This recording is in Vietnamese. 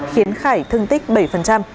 khiến khải thương tích bảy